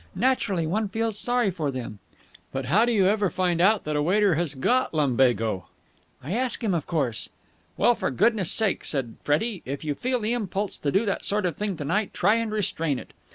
Naturally one feels sorry for them." "But how do you ever find out that a waiter has got lumbago?" "I ask him, of course." "Well, for goodness' sake," said Freddie, "if you feel the impulse to do that sort of thing to night, try and restrain it.